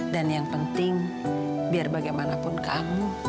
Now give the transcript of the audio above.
dan yang penting biar bagaimanapun kamu